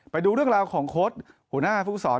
ไปดูเรื่องราวของโค้ชหัวหน้าฟุกศร